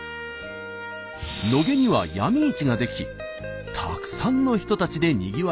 野毛には闇市が出来たくさんの人たちでにぎわいました。